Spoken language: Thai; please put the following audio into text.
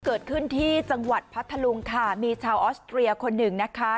เกิดขึ้นที่จังหวัดพัทธลุงค่ะมีชาวออสเตรียคนหนึ่งนะคะ